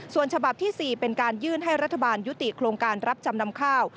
ส่วนฉบับที่๔เป็นการยื่นให้รัฐบาลยุติโครงการรับจำนำข้าว